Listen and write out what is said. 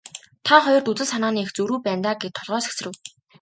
Та хоёрт үзэл санааны их зөрүү байна даа гээд толгой сэгсрэв.